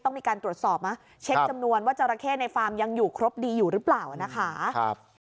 ต้องมีการตรวจสอบนะเช็คจำนวนว่าจราเข้ในฟาร์มยังอยู่ครบดีอยู่หรือเปล่านะคะ